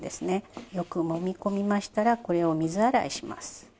よくもみ込みましたらこれを水洗いします。